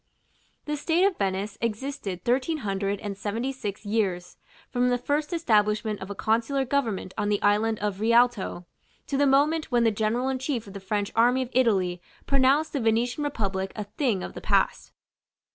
The state of Venice existed Thirteen Hundred and Seventy six years, from the first establishment of a consular government on the island of the Rialto, to the moment when the General in chief of the French army of Italy pronounced the Venetian republic a thing of the past.